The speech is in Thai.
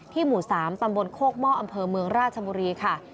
หมู่๓ตำบลโคกหม้ออำเภอเมืองราชบุรีค่ะ